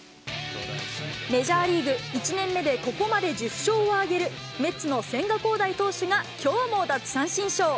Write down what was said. メジャーリーグ１年目で、ここまで１０勝を挙げるメッツの千賀滉大投手が、きょうも奪三振ショー。